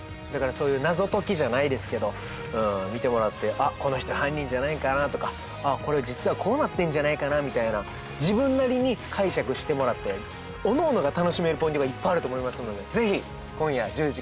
だからそういう謎解きじゃないですけど見てもらって「あっこの人犯人じゃないかな」とか「これ実はこうなってんじゃないかな」みたいな自分なりに解釈してもらっておのおのが楽しめるポイントがいっぱいあると思いますので。